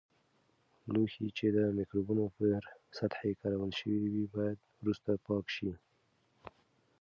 لوښي چې د مکروبونو پر سطحې کارول شوي وي، باید وروسته پاک شي.